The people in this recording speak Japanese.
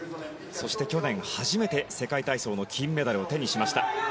そして、去年初めて世界体操の金メダルを手にしました。